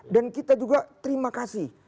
dan kita juga terima kasih